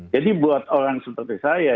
jadi buat orang seperti saya